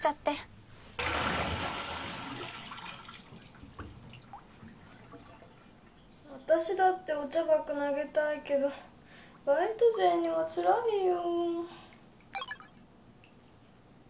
バシャン私だってお茶爆投げたいけどバイト勢にはつらいよ。